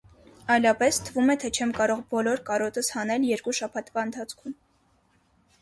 Այլապես թվում է, թե չեմ կարող բոլոր կարոտս հանել երկու շաբաթվա ընթացքում: